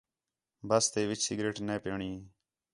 بَس تے وِچ سگریٹ نے پیݨ ای